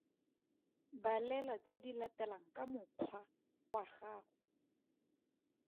Balela tse di latelang ka mokgwa wa gago.